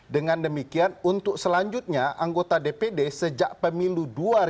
dengan demikian untuk selanjutnya anggota dpd sejak pemilu dua ribu sembilan belas